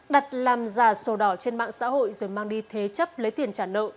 đặt làm giả sổ đỏ trên mạng xã hội rồi mang đi thế chấp lấy tiền trả nợ